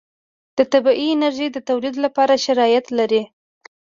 د طبعي انرژي د تولید لپاره شرایط لري.